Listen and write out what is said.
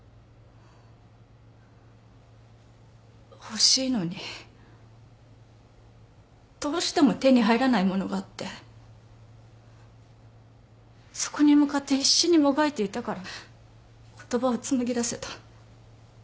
欲しいのにどうしても手に入らないものがあってそこに向かって必死にもがいていたから言葉を紡ぎだせた。